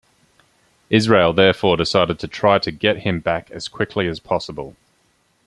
Israel therefore decided to try to get him back as quickly as possible.